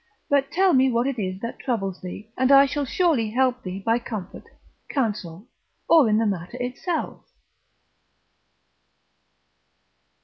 but tell me what it is that troubles thee, and I shall surely help thee by comfort, counsel, or in the matter itself.